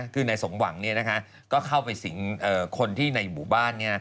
คือในสงหวังก็เข้าไปสิงคนที่อยู่ในบุบ้าน